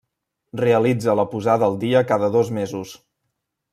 Realitza la posada al dia cada dos mesos.